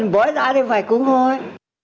bói đã thì phải cúng thôi